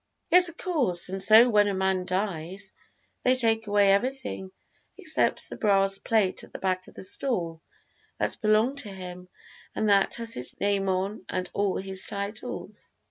"Yes, of course; and so when a man dies they take away everything except the brass plate at the back of the stall that belonged to him, and that has his name on and all his titles."